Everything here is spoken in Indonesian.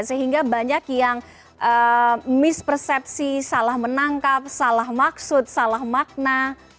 sehingga banyak yang mispersepsi salah menangkap salah maksud salah makna